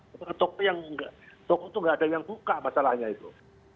pokoknya toko itu nggak ada yang buka masalahnya itu